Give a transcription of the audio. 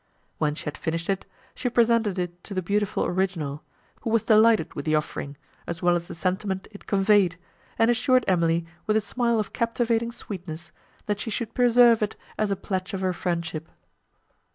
When she had finished it, she presented it to the beautiful original, who was delighted with the offering, as well as the sentiment it conveyed, and assured Emily, with a smile of captivating sweetness, that she should preserve it as a pledge of her friendship.